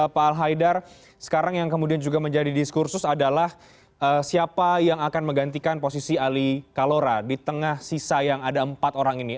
pak al haidar sekarang yang kemudian juga menjadi diskursus adalah siapa yang akan menggantikan posisi ali kalora di tengah sisa yang ada empat orang ini